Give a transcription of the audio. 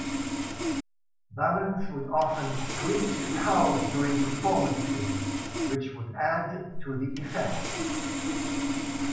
Balance would often screech and howl during performances, which would add to the effect.